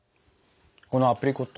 このアプリコット。